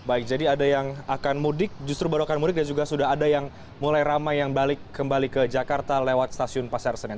baik jadi ada yang akan mudik justru baru akan mudik dan juga sudah ada yang mulai ramai yang balik kembali ke jakarta lewat stasiun pasar senen